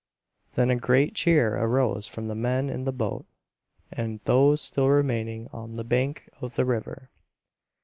Then a great cheer arose from the men in the boat and those still remaining on the bank of the river.